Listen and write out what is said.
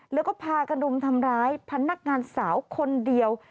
แล้วก็พากระดุมทำร้ายพนักงานสาวคนเดียว